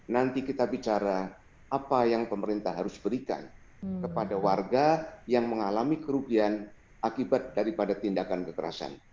nanti kita bicara apa yang pemerintah harus berikan kepada warga yang mengalami kerugian akibat daripada tindakan kekerasan